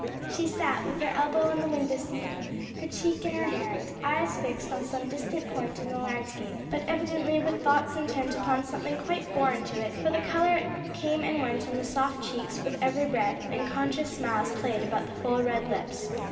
She sat with her elbow on the window seat, her cheek in her hand, eyes fixed on some distant point in the landscape, but evidently with thoughts intent upon something quite foreign to it; for the color came and went on the soft cheeks with every breath, and conscious smiles played about the full red lips.